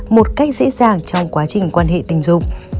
một cách dễ dàng trong quá trình quan hệ tình dục